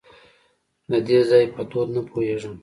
د دې ځای په دود نه پوهېږم .